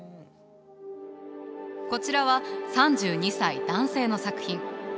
こちらは３２歳男性の作品。